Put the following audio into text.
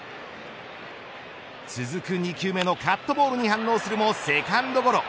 続く２球目のカットボールに反応するもセカンドゴロ。